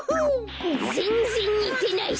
ぜんぜんにてないし！